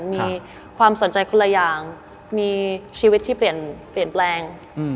มีความสนใจคนละอย่างมีชีวิตที่เปลี่ยนแปลง